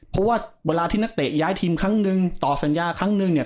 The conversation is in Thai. เพราะว่าเวลาที่นักเตะย้ายทีมครั้งหนึ่งต่อสัญญาครั้งนึงเนี่ย